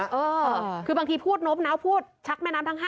เออคือบางทีพูดนบนะพูดชักแม่น้ำทั้ง๕